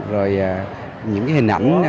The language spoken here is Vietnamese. rồi những cái hình ảnh